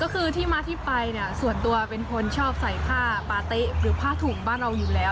ก็คือที่มาที่ไปเนี่ยส่วนตัวเป็นคนชอบใส่ผ้าปาเต๊ะหรือผ้าถุงบ้านเราอยู่แล้ว